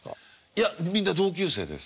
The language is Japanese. いやみんな同級生です。